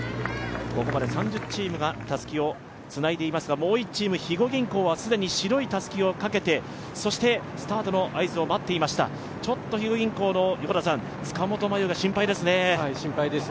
ここまで３０チームがたすきをつないでいますが、もう１チーム、肥後銀行は既に白いたすきをかけて、そしてスタートの合図を待っていました、肥後銀行の塚本真夕が心配ですね。